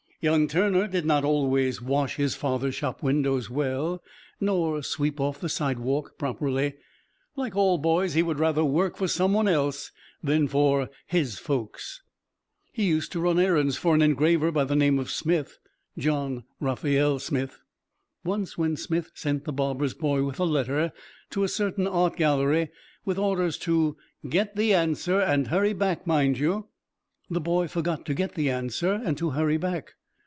Young Turner did not always wash his father's shop windows well, nor sweep off the sidewalk properly. Like all boys he would rather work for some one else than for "his folks." He used to run errands for an engraver by the name of Smith John Raphael Smith. Once, when Smith sent the barber's boy with a letter to a certain art gallery with orders to "get the answer and hurry back, mind you!" the boy forgot to get the answer and to hurry back.